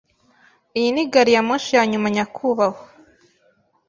Iyi ni gari ya moshi yanyuma, nyakubahwa.